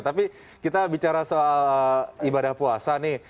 tapi kita bicara soal ibadah puasa nih